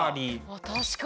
あ確かに。